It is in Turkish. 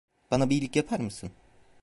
Bana bir iyilik yapar mısın?